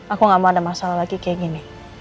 aku gak mau ada masalah lagi kayak gini